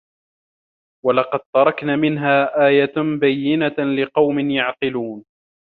وَلَقَد تَرَكنا مِنها آيَةً بَيِّنَةً لِقَومٍ يَعقِلونَ